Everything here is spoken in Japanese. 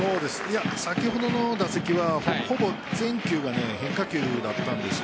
先ほどの打席はほぼ全球が変化球だったんです。